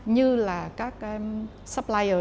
như là các supplier